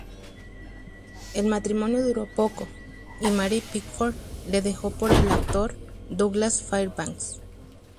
El matrimonio duró poco, y Mary Pickford le dejó por el actor Douglas Fairbanks.